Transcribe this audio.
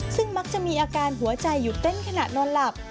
ซึ่งมักจะมีอาการหัวใจหยุดเต้นขณะนอนหลับ